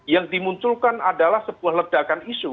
yang dimunculkan adalah sebuah ledakan isu